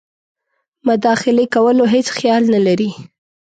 مداخلې کولو هیڅ خیال نه لري.